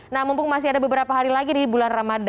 nah mumpung masih ada beberapa hari lagi di bulan ramadan